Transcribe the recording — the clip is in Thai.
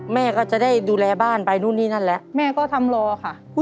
แม่ก็จะได้ดูแลบ้านไปนู่นนี่นั่นแหละแม่ก็ทำรอค่ะ